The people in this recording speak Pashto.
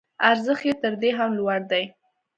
ارزښت یې تر دې هم لوړ دی.